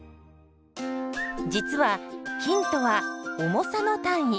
実は「斤」とは「重さ」の単位。